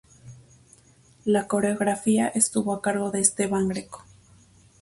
La coreografía estuvo a cargo de Esteban Greco.